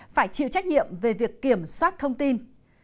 phải chịu trách nhiệm về việc kiểm soát thông tin